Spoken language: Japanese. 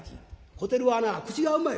「小照はな口がうまい。